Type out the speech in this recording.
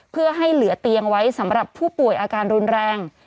เพื่อให้เหลือเตียงไว้สำหรับผู้ป่วยอาการรุนแรง